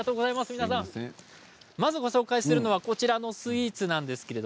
ご紹介するのはこちらのスイーツです。